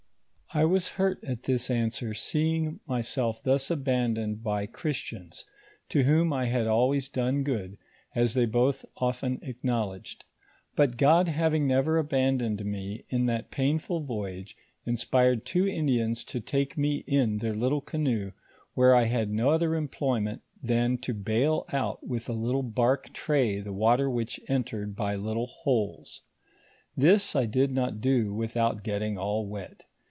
I was hurt at this answer, seeing myself thus abandoned by Christians, to whom I had always done good, as they both often acknowledged ; but God having never abandoned me in that painful voyage, inspired two Indians to take me in their little canoe, where I had no other employment than to bale out with a little bark tray the water which entered by little holes. This I did not do without getting all wet.